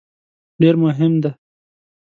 ډېر مهم دی.